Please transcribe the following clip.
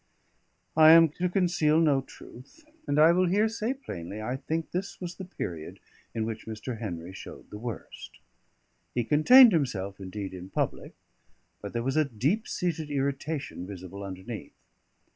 I am to conceal no truth; and I will here say plainly, I think this was the period in which Mr. Henry showed the worst. He contained himself, indeed, in public; but there was a deep seated irritation visible underneath.